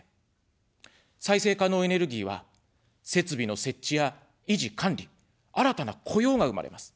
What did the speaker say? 再生可能エネルギーは、設備の設置や維持管理、新たな雇用が生まれます。